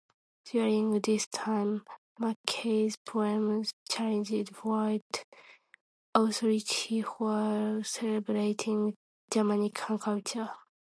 During this time, McKay's poems challenged white authority while celebrating Jamaican culture.